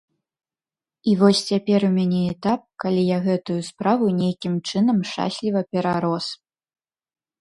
І вось цяпер у мяне этап, калі я гэтую справу нейкім чынам шчасліва перарос.